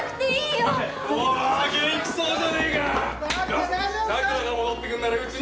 よし！